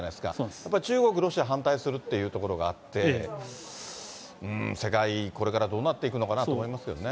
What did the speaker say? やっぱり中国、ロシア、反対するというところがあって、うーん、世界、これからどうなっていくのかなと思いますよね。